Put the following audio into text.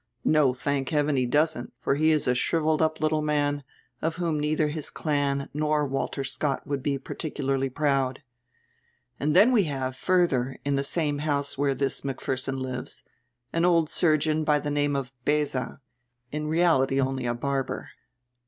"No, thank heaven, he doesn't, for he is a shriveled up little man, of whom neither his clan nor Walter Scott would he particularly proud. And then we have, further, in the same house where this Macpherson lives, an old surgeon by the name of Beza, in reality only a barber.